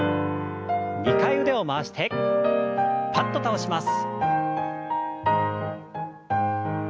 ２回腕を回してパッと倒します。